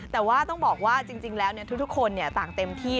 แต่ว่าต้องบอกว่าจริงแล้วทุกคนต่างเต็มที่